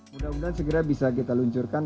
mudah mudahan segera bisa kita luncurkan